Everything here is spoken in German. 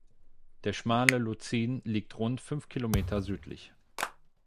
Der Schmale Luzin liegt rund fünf Kilometer südlich.